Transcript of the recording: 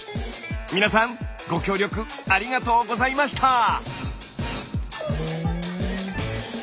皆さんご協力ありがとうございました！